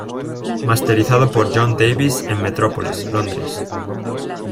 Masterizado por John Davis en Metropolis, Londres.